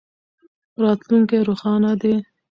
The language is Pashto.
راتلونکی روښانه دی.